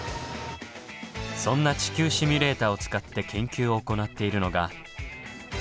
そんな「地球シミュレータ」を使って研究を行っているのが。